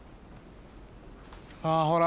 さあほら